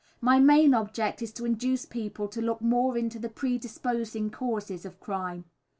My main object is to induce people to look more into the pre disposing causes of crime.